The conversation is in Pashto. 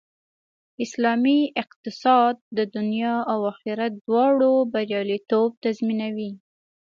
اسلامي اقتصاد د دنیا او آخرت دواړو بریالیتوب تضمینوي